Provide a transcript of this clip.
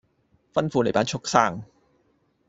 吩咐你班畜牲